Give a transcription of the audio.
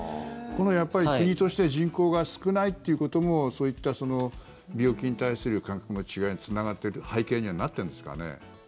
やっぱり国として人口が少ないっていうこともそういった病気に対する感覚の違いにつながってる背景にはなってるんですかね。